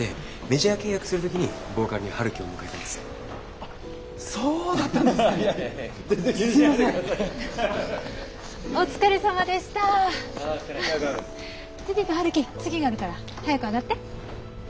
ジュニと陽樹次があるから早くあがって。